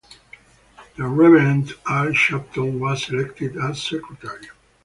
The Reverend Al Sharpton was elected as Secretary.